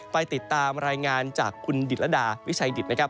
ไปติดตามรายงานจากคุณดิตรดาวิชัยดิตนะครับ